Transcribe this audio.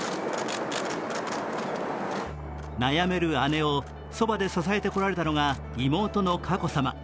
悩める姉をそばで支えてこられたのが妹の佳子さま。